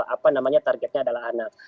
apa namanya targetnya adalah anak